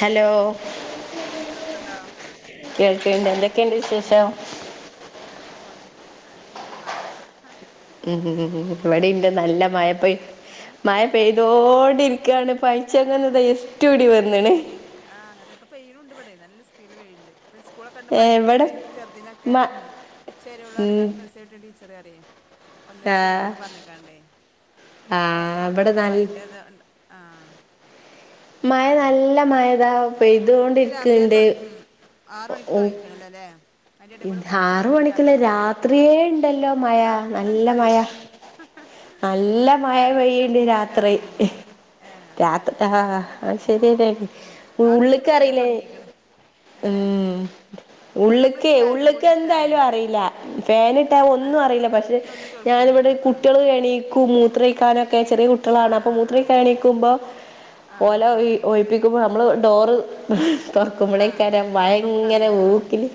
Hello? ഉം കേൾക്കണ്ടോ? കേൾക്ക്ണ്ട് ന്തൊക്കെണ്ട് വിശേഷം. സുഖായിട്ട് പോണ്. നല്ല മഴ ഉം ഉം ഇവിടെ ഇണ്ട് നല്ല മഴ പ്പൊ ഇന്ന് മഴ ഫുള്ളായിട്ട് അങ്ങനെ തന്നെല്ലേ പെയ്തോണ്ടിരിക്കാണ്. ആഹ് ന പയ്ച്ചങ്ങന്ന് ഇത ഇര്റ്റ്ടി വന്ന്ണ്. ആഹ് അതെപ്പൊ പെയിണുണ്ട്ടെേ നല്ല സ്പീഡ് പെയിണുണ്ട്പ്പൊ സ്കൂളൊക്ക കൊണ്ട് ഏ ഇവിടെ പായിന്ന് ചെറുതിനൊക്കെ. മ ഉം ഉച്ചേരെ ഉള്ളു ന് ഉം പറഞ്ഞുങ്ങാണ്ട് മെസ്സേജ് വിട്ടു ടീച്ചറെ അറിയാം. ആ ഒന്നരക്ക് വിടുന്നൊക്കെ പറഞ്ഞേക്കണ്ടേ ആ കൊപ്പ പറഞ്ഞിട്ട ഇവിടെ നല്ല മയന്റെ അത് ആഹ് മഴ അതെന്നെ നല്ല മഴതാ ഇന്ന് പൈതുകൊണ്ടിരിക്ക്ണ്ട്. ഉ പിണല്ല ല്ലേ അതിന്റെ ഇ എടേക്കൂടെ ആറ് കൊറച്ചേരം മണിക്കുള്ള ഗ്യാപ്പ്ണ്ടായി രാത്രിയേ ഇണ്ടല്ലോ മഴ രാത്രി എന്താ നല്ല മഴ. എനിക്കറിയില്ല നല്ല രാത്രി മഴ നേരം വൈകി പെയ്യണ്ട് കിടക്കുമ്പോ പിന്നെ രാത്രി. അറിയണില്ല ഹ് ഏഹ് രാത് എനിക്കറിയില്ല ആഹ് രാത്രി പെയ്ത ആ അറിയില്ല ശരിയല്ല ഉം. ഉള്ള ആറരയ്ക്ക് ഉള്ളക്ക് പെയ്യാൻ അറിയില്ലെയിന് തുടങ്ങിയേക്കണ് അങ്ങനെ ഉം ഒന്നാമത് ഉള്ക്. നമ്മൾ ഈ ക്കേ ഫാനും ഉള്ളക്ക് കൂടി ഇട്ടാലേ എന്തായാലും അറിയില്ല ഫാൻ ആ ഇട്ടാ അല്ല ഒന്നും അറിയില്ല. പക്ഷെ പിന്നെ ഒന്നും ഞാനിവിടെ കേൾക്കൂലല്ലോ ആ കുട്ടിയൾ എണീക്കും. മൂത്ര ക്കെ ചെറിയ ആ കുട്ടിയളാണ് അപ്പോ ആ ആ മൂത്രയിക്കാൻണിക്കുമ്പോ. ആ ഓലോ ശരിയാണ് ഒയിപി നമ്മള് ഡോറ് ആ തുറക്കുമ്പോളേക്കാരം മഴ എങ്ങനെ ഊക്കില്.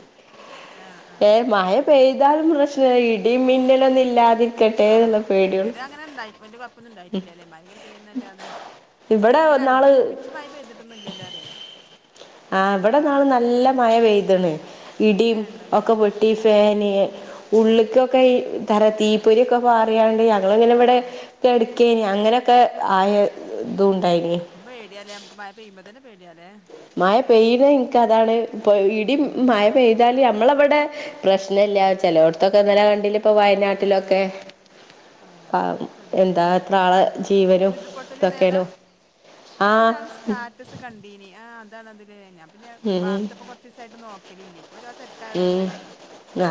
ആഹ് ആഹ് അത്. ഏതായാലും പ്രശ്ന ഇടി മിന്നലൊന്നും ഇല്ലാതിരിക്കട്ടെ എന്നുള്ള പേടിയള്ളൂ. യപ്പൊന്നും ഉണ്ടായിട്ടില്ലല്ലേ മഴങ്ങനെ പോയുന്ന്ല്ലാതെ എന്ന ഇവിടെ അങ്ങനെ നാള് അടിപ്പിച്ചു. മഴ പെയ്തിട്ടുന്നും ഇല്ലല്ലോ അറയോ. ആഹ് എവിടെന്നാണ് നല്ല മഴ പെയ്ത്ണ്. ഇടിയും ഏ ഉണ്ടോ ഇഞ്ഞോ ഒക്കെ വോടി ഫാന് ഉള്ളക്കൊക്കെ തറ തീപ്പൊരിക്കെ പാറിയാണ്ട് ഞങ്ങ് ഇങ്ങനെ ആണോ ഇവിടെ ഏ കെടുക്കെനി അങ്ങനെയൊക്കെ ആയ ഇതും ണ്ടായിന്. അപ്പ പേടിയാലേ നമക്ക് മഴ പെയുമ്പോ തന്ന പേടിയാലേ? മഴ പെയ്യന് എനിക്ക് അതാണ് ഇപ്പൊ ഇടി ഉം മഴ പെയ്താല് നമ്മള വിടെ ആ പ്രശ്നല്ല ചലോടത്തൊക്കെ ഇന്നലെ കണ്ടില്ല ഇപ്പൊ ഏ വയനാട്ടിലൊക്കെ? എന്നാ ആ എന്താ എത്ര ശ്രദ്ധിച്ചിട്ടില്ല ആളെ ജീവനും ഉരുൾപൊട്ടലുണ്ടായി അതാ ഇതൊക്കെയാണ്. അപ്പൊ ആഹ് ഒരാൾ സ്റ്റാറ്റസ് കണ്ടീനി ആ അതാണ്ത് ലെ പിന്നെ ഉം വാർത്ത ഇപ്പോ കുറച്ച് ദിവസായിട്ട് നോക്കലില്ലേ ഇപ്പോരോ ഉം തിരക്കായതോണ്ട്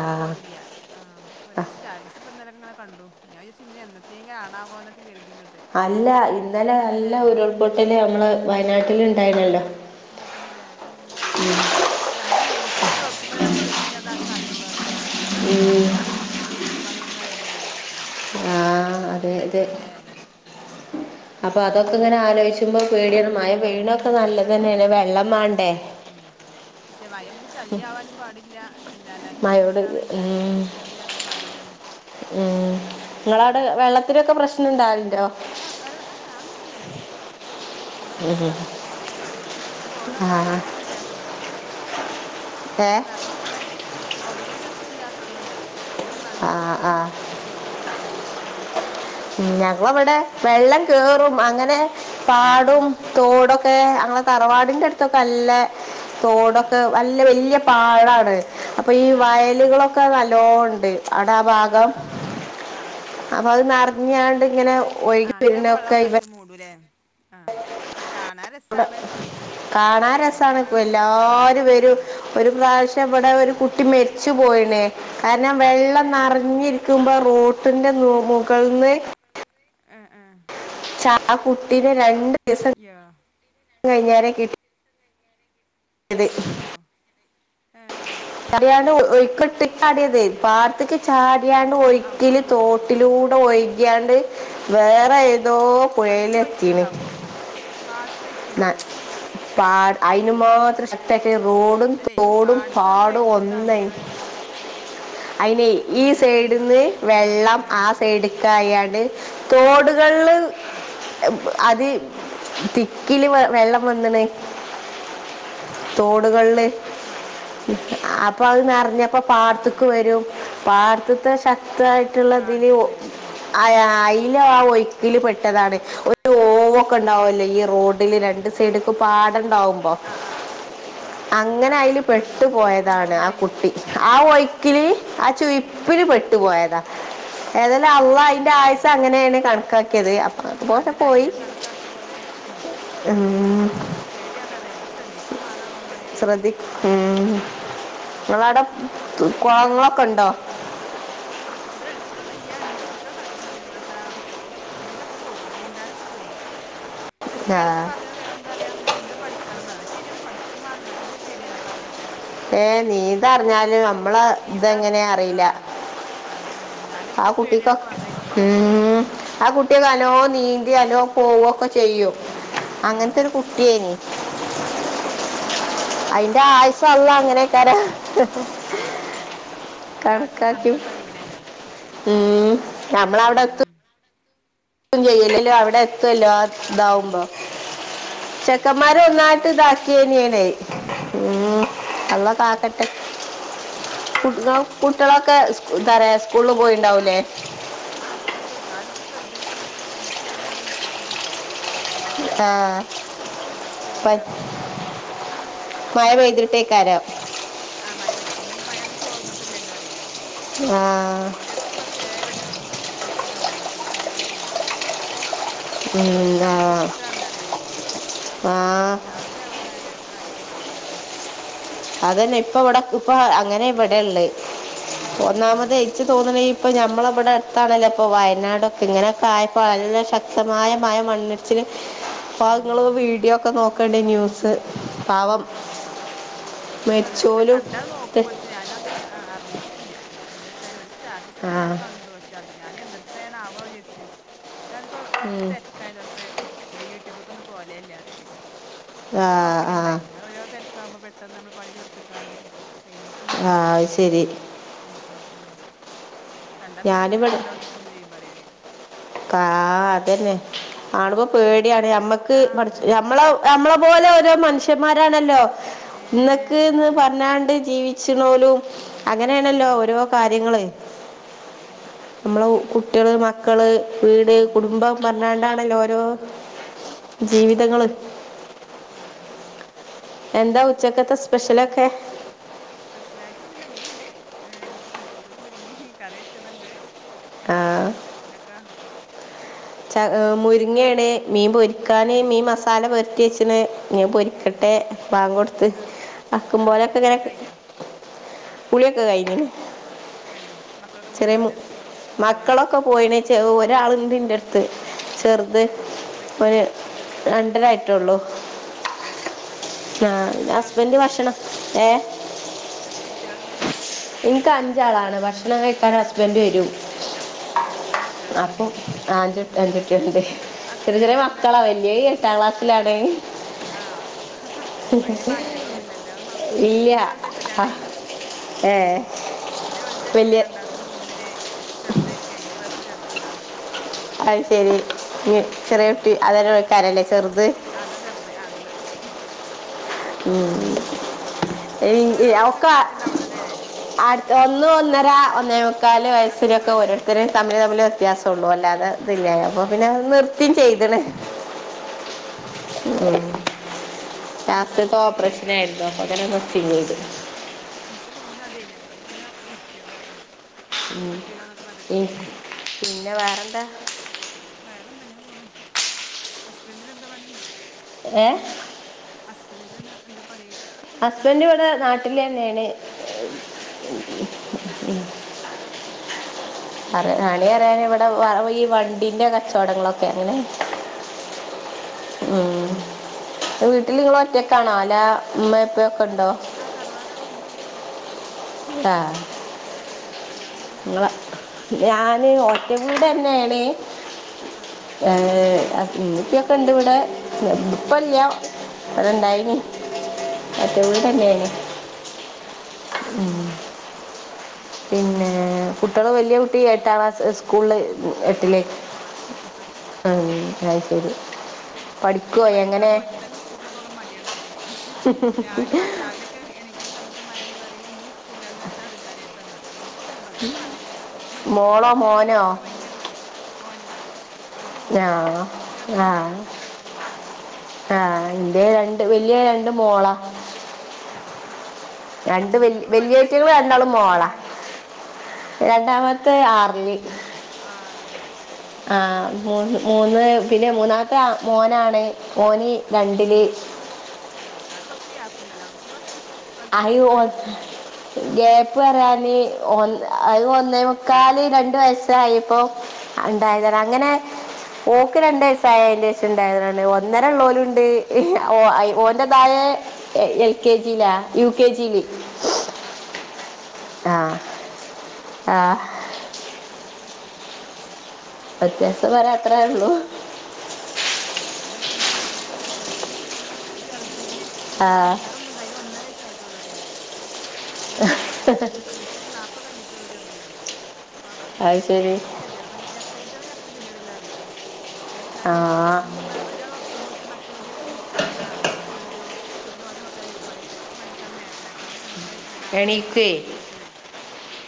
ആ പോകലില്ല. ആഹ് ആ അപ്പരാ സ്റ്റാറ്റസ് ഇന്നലങ്ങനെ കണ്ടു ഞാൻ വിചരിച്ച് ഇഞ് എന്നതെങ്ങിലും ആണാവോ എന്നൊക്കെ കരുതി ക്ണ് അല്ല ഇന്നലെ അല്ല ഉരുൾപൊട്ടല് നമ്മള് വയനാട്ടിൽ ഉണ്ടായിരുന്നുലോ? ന്തക്ക്ണ്ലെ ഏഹ്? അല്ല അമ്മളീ ന്യൂസൊക്കെ കേൾക്കുമ്പഴാ നമ്മക്ക് പിന്നെയു അതക്കെ അറിയുള്ളൂ അറേല്. അല്ല അമ്മള് ഈപ്പേ ഇബ്ടെ ഇരിക്കുമ്പോ അതൊന്നു അറിയണില്ലല്ലോ അറയേ. ആ അയ്ശെരി. ഏഹ്, അങ്ങനെ അതെ അതെ ഇണ്ടായിക്ക്ണ്ല്ലേ? അപ്പൊ അതൊക്കെ ഇങ്ങനെ ആലോചിച്ചുമ്പോ പേടിയാണ്. മയ ഉം പെയ്യണൊക്കെ പടച്ചോൻ കാക്കട്ടെ നല്ലതന്നെയണ്. വെള്ളം മാണ്ടേ? അതന്നെ ഉം പശ്ശെ മയ അമ്മക്ക് ശല്ല്യാവാനും പാടില്ല. ഇല്ലാഞ്ഞാലും മഴയോട് ബുദ്ധിമുട്ടാണ് ഇണ്ടായാലും ഗതിഗറി കാരണം മാതിരിയാണ്. ഊം. പടച്ചോൻ കാക്കട്ടെ ഇങ്ങളാടെ എല്ലാരേം വെള്ളത്തിനൊക്കെ പ്രശ്ണണ്ടാവൽണ്ടോ? ഏഹ് വെള്ള ഏഹ് അങ്ങൻത്തെ ഇതൊന്നുല്ല്യാ. ഇമ്മളട്ത്തൊന്നു ഉം. അങ്ങനെ ഇണ്ടായിട്ടില്ല ഉം. പിന്നെ തോടോ ആ ക അങ്ങനൊന്നു ഇല്ലാത്തതൊണ്ടേയ്. ഏ വെള്ളം നർഞ്ഞ്ക്ക്ണ, അല്ല തോടുകളൊന്നും അട്ത്തില്ലാത്തതൊണ്ടെയ് അങ്ങനെ വള്ളം ആ കേറി. ആ ബുദ്ധിമുട്ടൊന്നുണ്ടാവില്ല്യാറിയാ. ഉം ഞങ്ങവ്ടെ വെള്ളം കേറും അങ്ങനെ പാടും തോടൊക്കെ ആഹ് തറവാടിന്റെ അടുത്തൊക്കെ നല്ല ഏ തോടൊക്കെ വൽ ല്ല ല്ല്യ പാടാണ്. അപ്പൊ ഈ ആ ആ ആ വയലുകളൊക്കെ നല്ലോണണ്ട്. അവ്ടെ ആ ഭാഗം, ആ ആ അപ്പൊ അത് നർഞ്ഞാണ്ട് ഇങ്ങനെ ഒഴുകി ആഹ് അങ്ങനെ ആകുമ്പോ വെള്ളം വരുന്നൊക്കെ ഇവ ഒന്നായിട്ട് മൂടൂലേ? ആഹ്. പശ്ശെ കാണാൻ രസാണ്. പക്ഷെ കാണാൻ രസാണ്. പേടിയാണാണോ കുട്ടികളെ അപ്പെല്ലാരും ആ വെരും. ഒര് പ്രാവ്ശ്യം ഇവടെ ആ ഒര് കുട്ടി മെരി ച്ച് പോയ്ണ്. കാരണം വെള്ളം ഏ നർഞ്ഞ് ഇര് ക്കുമ്പോ റോട്ടിന്റെ മോ മുകൾന്ന് ഏഹ് ഏഹ്. ച്ചാ ആ കുട്ടിനെ രണ്ട് ദിവസം യാഹ്. കഴിഞ്ഞേരേ കിട് ക്യാ അറിയാണ്ട് ഒയ്ക്ക്ട്ട് അതൊക്കെ ചാടിയതേരിക്കു. പേടിയാലേ പാഠത്ത്ക്ക് ചാടിയാണ്ട് ആ ഒയ്ക്ക് ഒയ്ക്ക്ല് പെട്ട് പോയിട്ടുണ്ടോ തോട്ടിലൂടെ ഒയ് കിയാണ്ട് വേറെ ഏതോ അയില് പുഴയിലെത്തീണ്. ഒയ്ക്കുണ്ടാകോ പാടത്ത് ന്ന ഒയ്ക്കുണ്ടാകോ പാട്, അയിന് യോ മാത്രം ശക്തിയായ്റ്റ് റോഡും അല്ലെ തോ ടും പാടത്തും അങ്ങനെ പാടോം ഒന്നായ്. ഒഴുക്കുണ്ടാവൂല വേറെ അയ്നെയ് ഈ ഒന്നിച്ചായിണ്ടാവും സൈഡ്ന്ന് വെള്ളം ആ ഒന്നായിട്ടായിണ്ടാവൂലേ സൈഡ്ക്കാ അയാണ്ട് തോട്കൾല് എബ് അത് ഉം തി ക്കില് വെ വെള്ളം വന്നിണ് തോട്കൾല്. ഉം ആ ആ ആ ആ അപ്പൊ അത് നർഞ്ഞപ്പോ ആ ആ ആ പാടത്ത്ക്ക് ശരി വെരും. പാടത്ത്ത്തെ ശക് ത്തിയായിട്ടുള്ള ഇതില് പാടത്തേക്ക് വരും ഉം അയാ അയിലാ ഒഴ്ക്കില് ഉം പെട്ടതാണ്. ഒ ഓവൊക്കെ ഇണ്ടാവല്ലോ ഈ റോഡില് രണ്ട് സൈഡ്ക്കും പാടണ്ടാവുമ്പോ. ആഹ് ആഹ്. ആഹ് ആഹ് ആഹ് അങ്ങൻത്തൊട്ത്ത് പെട്ടുപോയതാണ് ഒയ്ക്ക്ണ്ടാവും ആ ചെയ്യും. കുട്ടി ഉം ആ ഒഴുക്കില് ആഹ് ആ ഏഹ്. ഉം ഉം. ഏതാലും അല്ലാഹ് അയിന്റെ ആയ്സ്സ് അങ്ങനേണ് കണക്കാക്കിയത്. അപ് അതന്നെ അയിനൻ കണക്കാക്കിയ പോലെ വെരും ഉം അതന്നെ ഉം, ന്നാലും. പേടിയാണ്റ്യാ നമുക്ശ്രദ്ധിക്കും മണാണും പ റയാ ശ്രദ്ധി നിനക്കെന്ത് ഉം. സംഭവിച്ചാലും ആഹ് നിങ്ങളവിടെ തു- ഷോക്കൊരോ വീധിയാണ്. കുളങ്ങളൊക്കെ ഉണ്ടോ ബ്ടെ എടുത്തൊന്നുല്ല്യാ ഇണ്ട് കുട്ട്യാളെ കൾ ഉം എത്താ ഉം ഇന്തിനൊക്കെ പോകും ന്നീന്താനൊക്കെ പോകുംട്ടോ. ന്നാലും പേടി പ്പ ആ പറഞ്ഞ എന്താ പറയാ നീന്ത പഠിക്കണന്നാ ശെരിയാണ് പഠിക്കുംമാണം എന്നാലും ന്നമുക്കൊരു പേടിയല്ലേ പറഞ്ഞെ കേക്കുമ്പളൊ ഏഹ് നീന്താർഞ്ഞാല് ന്നമ്മളെ നീന്താ അറി ഇതെങ്ങനെ ആ അറീല. അതെ അതന്നെ എന്നാലും ആഹ് നമുക്കൊരു പേടിയാണ് കുട്ടിക്കൊക് പറഞ്ഞേക്കും പോകുമ്പോ ഉം ആ കുട്ടിയൊക്കെ അലോം നീന്തി അലോം പോവൊക്കെ ചെയ്യും അങ്ങൻ ത്തൊരു കുട്ടിയേനി. അയിന്റെ മരണ അങ്ങനെ ആവും അയിന്റെ ആയ്സ്സ് അള്ളാ അങ്ങനെയ്ക്കാരം ആ അതന്നെ അതിനെ ആർക്കും കണക്കാക്കിം തടുക്കാൻ കഴിയൂലല്ലോ ഉം ഉം, നമ്മളവിടെത്ത് ഉം. ചെയ്യലല്ലോ അവിടെ എത്തല്ലോ ആഹ് ആ അതന്നെ ഇതാവുമ്പോ? ആ എത്തി ഉം, ചെക്കന്മാര് ഒന്നായിട്ട് എങ്ങനെയെങ്കിലും തട്ടിമുട്ടാൻ ഇതാക്കിയേന്നെ ണെയ് കണ്ടെത്തും അള്ളകാക്കട്ടെ ത്ത് കുട്ടി നോ കുട്ടിയെ ളൊക്കെ സ്കു എത്താറയ സ്കൂള്പോയോ ആഹ് സ്കൂ ആസ്കൂള് പോ യിക്കാ അഹന്നെ പ്പോ ചെറ്തിനിപ്പന്ന് ഒന്നരക്ക് വിടും ന്നറ്ഞ്ഞ് മെസ്സേജ് ട്ട് ടീച്ചറെ മയ ആയതോണ്ട് ആ ഒന്നരക്ക് വിട്ണ്ട് പ- റ്ഞ്ഞ് മെസ്സേജ് വിട്ട്ക്ക്ണ് റിയ മഴ പെയ്തിട്ടേക്കാരോ ആഹ് മഴപെഴ്തിപ്പ ഇന്നൊന്നും മയങ്ങനെ ചോർന്നിട്ടില്ലല്ലോ റിയെ ആഹ് തിന്റെ ഏട്ക്ക് കൊർച്ചെരൊന്ന് ഒഴിത്ണ്ടായിനി പിന്നെഅതേമാതി പിന്നിംപെയ്ത്ക്ക്ണ് [unintelligible] ഉം, ആ ങ്കം ഇര്ട്ടാണ് റയാനെ ആഹ് രാത്രിയാവാനായാൽ ആയമാതിരിയാണ് അതന്നെ ഇപ്പവ്ടെ ഇപ്പൊ അങ്ങനെവിടെള്ളെ ഉം ഉം ഉം ഒന്നാമതെയ് ഇച്ച്തോന്ന് ണേ ഈ ഇപ്പൊഞമ്മളമ്പടെ ട്ത്താണല്ലോ ഇപ്പോ വയനാടൊക്കെ ഇങ്ങനെയൊക്കായപ്പോ ഏ നല്ലശക്തമായ മഴമണ്ണ്ട് ച്ച്ല് പ്പഹ്ങ്ങള് ഉം വീഡിയോക്കെ നോക്കെണ്ടി ന്യൂസ് പാവം ആഹ് ഉം ഞാൻകണ്ടിട്ടില്ല മരിച്ചോലും ഇത്. കണ്ടാനോക്കും പക്ഷെഞാനത് അർഞ്ഞിട്ടില്ല എന്തച്ചാല് ഒരുസ്റ്റാറ്റസ് ഇപ്പ ആ ഇന്നലെകണ്ടു പക്ഷെഅത്ഞാൻ എന്നെത്തെണാവൊ ജാര്ച്ച് പാനിപ്പോ കൊർച്ച് ഉം, തെരക്കായതോണ്ട് പ്പം യൂട്യൂബക്കൊന്നും പോവലേല്ല അറിയാനെയ് ആ ആ മറ്റെനോക്കല്ണ്ടായിനി ഇപ്പോരോ തെരക്കാവുമ്പോ പെട്ടെന്ന്മ്മൾ പണിതീർത്ത്ക്കാണ്ട് ആ അയിമ്മക്ക്‌നോക്കും അത് ശരി ഉം ഉം ഉം കണ്ടാപിന്നെങ്ങ് ക ണ്ടോണ്ട്ക്കും ചെയ്യും പറയാനേ ആഹ്അതന്നെ കണ്ടാലും പേടിയാണ് ആണുമ്പപേടിയാണ് അമ്മക്ക് ആഹ് പട്ച്ച് അതന്നെ ഞമ്മളൊവ് അമ്മളെപോലോരോ മനുഷ്യന്മാരാണല്ലോ ഏഹ് ഇന്നക്ക്ന്ന് അല്ലാതെ പറഞ്ഞാണ്ട്ജീവി ച്ച്ണോലും ഉം അങ്ങനെണല്ലോ ഏഹ് ഓരോകാര്യങ്ങള് അതന്നെ അമ്മള് കുട്ടിയള്മക്കള് വീട് ഉം കുടുംബം പർഞ്ഞാണ്ടാണല്ലോ ഓരോ ആഹ് ആഹ് ജീവിതങ്ങള് മ് മ് മ് എന്താഉച്ചക്കത്തെസ്പെഷ്യലൊക്കെ സ്പെഷ്യലായിട്ടൊന്നുല്ല മീൻണ്ട് ഏ ചക്കക്കുരുംമുരിങ്ങെ കറിവച്ചത്ണ്ട് ആ ചോറ്ണ്ട് ഇങ്ങക്കൊ ച്ച ഹ്‌ മുരിങ്ങെണ് മീൻപൊരി ക്കാന് മുരിങ്ങ മീൻമസാലപൊര്ട്ടിയെച്ച്ണ് ഞഹ് ഏഹ് പൊരിക്കട്ടെ ബാങ്ക്കൊട്ത്ത് ആഹ് ആക്കം ആഹ് പോലൊക്കെങ്ങനെ കുളിയൊക്കെ കഴിഞ്ഞോ കുളിയൊക്കെകഴിഞ്ഞ് ണ് ആഹ്‌ മക്കളൊക്കെ പോയിണ്ടാവൂല്ലേ സ്കൂള് പോവോല്ലാരും ഒരാളുണ്ട്ന്റെട്ത്ത് ചെറ് ത് ഏഹ് എത്രയിക്ക്ണ് ഒന് ചെറുതിന് എത്രയിക്ക്ണ് രണ്ടരായിട്ടൊള്ളു രണ്ടര ആ ആ ശരി എത്രകുട്ടിയാള്ണ്ട് ഹസ്ബൻഡ് ഭക്ഷണം ഏ എത്ര കുട്ടിയാള്ണ്ട്? ഇൻക്കഅഞ്ചാളാണ് പക്ഷേ [unintelligible] അഞ്ചോളോ ഹസ്ബന്റ് വരും ഏഹ് അഞ്ച് കുട്ടികളുണ്ടോ അപ്പോ [unintelligible] അത് [unintelligible] ശരി ചെറിയചെറിയ ഹസ്ബൻഡിന് മക്കളാ എന്താണ് വെല്ലിയേഎട്ടാംക്ലാസ്സിലാണ് ആഹ്‌ വല്ല്യയമാറ്റങ്ങളൊന്നുംല്ലല്ലോ ഇല്ല ഇന്റെ ആ, വെൽതെട്ടിലാണേ ഏ ന്റെവെൽതെട്ടില വലിയ രണ്ടാ ത്തമൂന്നില് ചെറുത് എൽ കെ ജി ഇപ്രാവശ്യംചേർത്തതാണ് അഹ്‌ശരി ചെറിയകുട്ടി അതരഒഴിക്കാരല്ലേ ചെറുത് അതചെർത് അതചെർത് ഉം നിങ്ങൾത് ഓരോ വയസ്സൊക്കെ മാറ്റണ്ടാവുള്ളൂ അല്ലേ ഒന്ന ഒന്നര ഒന്നേമക്കാല് വയസ്സിലൊക്കെ അത്രക്കൊള്ളൂല്ലേ ഓരോരുത്തരും തമ്മിൽ തമ്മില് വ്യത്യാസം ത്തുള്ളൂ അല്ലാതെ ഇതില്ല ആഹ് അപ്പൊ ആഹ് പിന്നെ ആഹ് നിർത്തിം ചെയ്ത്ണേ നിർത്തി ആ ശരി രാത്രിത്തെ ആൺകുട്ടികളുണ്ടോ ഓപ്പറേഷന ആയിരുന്നു അപ്പൊ അങ്ങനെ നിർത്തും ചെയ്ത് ആഹ് എനിക്ക് മൂന്നും അതേന്നി അതോണ്ട് പിന്നെ നിർത്തിയത് അറേ ഇനി പറ്റൂലന്നൊക്കെ ഉം. പറഞ്ഞക്കണ്ടേ പിന്നെ വേറെന്താ വേറെ എന്താ ഇങ്ങനെ പോണ് ഹസ്ബൻഡിന് എന്താ പണി ഏ ഹസ്ബൻഡറിന് എന്താ പണിയൊക്കുക ഹസ്ബൻഡ് ഇവിടെ നാട്ടില് തന്നെയാണ് നാട്ടിലാ അത് ശരി ഉം പിന്നെ പണി അറിയാനെ ഈ വണ്ടിന്റെ കച്ചവടങ്ങളൊക്കെ അങ്ങനെ ആ വണ്ടി കച്ചോടാ ഉം വീട്ടിൽ നിങ്ങൾ ഒറ്റക്കണോ അല്ലേ ഉമ്മിം ഉപ്പിം ഒക്കെ അല്ല ഉണ്ടോ ആ തറവാടാണ് ഉമ്മ ഉണ്ട് കൂടെ ആഹ് ഉം ഉം നിങ്ങളെ എങ്ങനെ ഞൻ ഒറ്റ വീടെ തന്നെയാണ് ആ ആ ഇമ്മയൊക്കെ ഉണ്ട് ഇവിടെ ആ ആ ഇപ്പല്യ ആ ആ ഇണ്ടായിനി ആ ഒറ്റ വീട് തന്നെയാണ് ആഹ് ആഹ് ഉം പിന്നെ കുട്ടികൾ പിന്നെ വലിയ എന്താ കുട്ടി പറയാ എട്ടാം ക്ലാസ് സ്കൂളിൽ എട്ട ആ എട്ടിലേക്ക് എട്ടാം ക്ലാസ്സില് എട്ടില ഉം, എട്ടിലാണ് അത് ശരി ഈ പഠിക്കുവോ മയൊക്കെ എങ്ങനെ ആവുമ്പോ ഓൽക്ക് തന്നെ സ്കൂൾ പോകാൻ മടിയാണ് പറിയാ ഞാൻ രാവിലെ പറ രാവിലെ എണീക്കുന്ന സമയത്ത് മയാനീ പറയും ഇന്ന് സ്കൂൽ ഇല്ലാ ഇന്ന് എത്താ റെഡ് അലർട്ട്ന്ന റിയും നോക്കുന്നില്ലാ പറയുന്നേ പോകം പിടിച്ചിക്കാണ്ടെ മോളോ മഴ ആവമ്പൊ മോനോ ഓൽക്കൊക്കെ ഭയങ്കര മടി മോന് മോന് വെലുത് മോന് ആ ചെറുത് മോളും രണ്ടാമത്തെ മോനന്നെ ആഹ് ഇന്റെ രണ്ട് വല്യ രണ്ട് മോളാ മോളാ രണ്ട് വല്യ അപ്പൊ വെല് വലുത് എയ്റ്റിങ്ങൾ എട്ടിലാണ് രണ്ടാളും രണ്ടാമത്തെ മോളാ എത്രയിലാ ഏ രണ്ടാമത്തെ ആർല് ആറില് ആ ആ മൂന്ന് മൂന്ന് പിന്നെ മൂന്നാമത്തെ മോനാണ് ഓന് രണ്ടില് ഏ അവിടെ കൊറച്ച് ഗ്യാപ്പ് ഉണ്ടല്ലോ അടുക്ക് കൊറച്ച് ആയി ഓ- മാറ്റണ്ട്ല്ലേ ഗ്യാപ്പ് പറയാന് ഒ അത് ഒന്നേ മുക്കാല് രണ്ട് വയസായിപ്പോ ആ ഉണ്ടായതാണ് ആ അങ്ങനെ ഓൾക്ക് രണ്ട് വയസായ അതിന്റെ ശേഷ ഉണ്ടായതാണ് ഒന്നര ഉള്ളോലുണ്ട് ഓ ഏ ഏ ഓന്റെതായെ എൽ കെ ജിയിലാ യു കെ ജിയില് ഏ ഏ യു കെ ജി ചെറുത് ആ രണ്ടരിലേ. ആ ഹ് ആ ഹ് ശെരി ആഹ വ്യത്യാസം വരാഅത്രാഒള്ളൂ. ആ ഹാ അതാണ് ഇപ്പ ഇന്റെ അനിയത്തിഇപ്പ പ്രസവിച്ചെട്ക്കാണേയ് ഇപ്പചെർദിന്- ആ എത്താ വേറൊന്ന്ണ്ട് അയ്നൊ ന്നരയ്സ്സായ്ട്ടൊള്ളൂ പറയാനെ. ഇങ്ങത്ത്പ്പ [unintelligible] എന്തക്കറിയോ ഇപ്പം നാപ്പയ് കഴിഞ്ഞിട്ടൊള്ളൂ ചെറ്തിന്റെയ് ഇപ്പം അത് പ്രസവിച്ചെട്ക്കേ ശരി എന്തോര് എ വട്ട അത്ര ഇരട്ടകുട്ട്യേളെ അത്രേ കെതേടില്ല പറിയേ ആ എന്നെച്ചാല് അത് ഒന്നും ഇബടെ ഒരാളൊർ നോക്കും ബോത്ത്‌ മറ്റൊര് നീ എത്താ ഒണരും. പിന്നെഓലെനോക്കലെ പയ് പെരെത്ത പണിട്‌ക്കാനൊന്നും നേരല്ല ഇപ്പത് തെണ്ണൂ റായ് അല്ല നാപ്പത് കൈഞ്ഞാണ്ട് എണീക്കേ വീട്ട്ന്ന് പൊയ് ക്ക്ണെ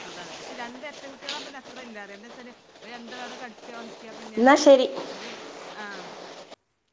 അതാണ് ക്ഷെ രണ്ടെര്ട്ട കുട്ട്യാളാവുമ്പോ പിന്നത്രല്ല്യ പറയാ എന്താച്ചല് രണ്ടും ആട കട് ടത്തി ഒറക്ക്യാപിന്നെ എന്നാ ശരി ഇത് ആഹ്